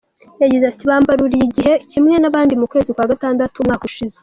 Yagize ati “Bambaruriye igihe kimwe n’abandi mu kwezi kwa gatandatu umwaka ushize.